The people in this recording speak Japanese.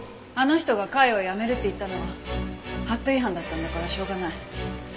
あの人が会を辞めるって言ったのは法度違反だったんだからしょうがない。